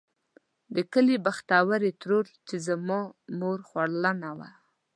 د کلي بختورې ترور چې زما مور خورلڼه وه.